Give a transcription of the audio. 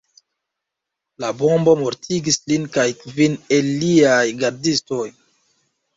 La bombo mortigis lin kaj kvin el liaj gardistoj.